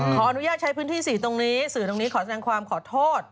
ขออนุญาตใช้พื้นที่สีตรงนี้สื่อตรงนี้ขอแสดงความขอโทษ